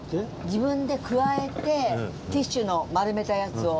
自分でくわえてティッシュの丸めたやつを。